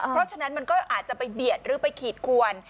เพราะฉะนั้นมันก็อาจจะไปเบียดหรือไปขีดขวน